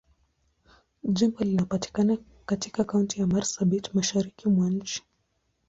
Jimbo linapatikana katika Kaunti ya Marsabit, Mashariki mwa nchi.